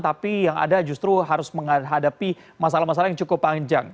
tapi yang ada justru harus menghadapi masalah masalah yang cukup panjang